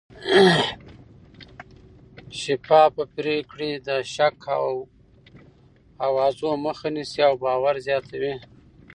شفافه پرېکړې د شک او اوازو مخه نیسي او باور زیاتوي